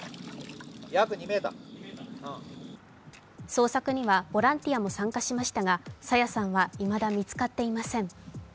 捜索にはボランティアも参加しましたが朝芽さんは、いまだ見つかっていません。